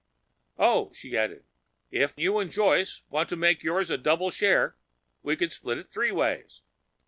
"Or," she added, "if you and Joyce want to make yours a double share, we could split it three ways.